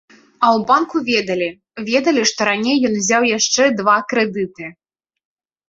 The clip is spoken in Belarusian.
А ў банку ведалі, ведалі, што раней ён узяў яшчэ два крэдыты.